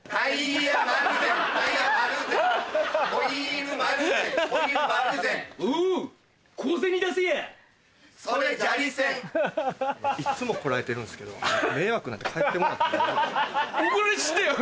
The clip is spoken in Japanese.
いつも来られてるんですけど迷惑なんで帰ってもらって。